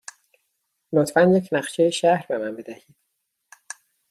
لطفاً یک نقشه شهر به من بدهید.